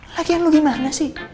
lagian lu gimana sih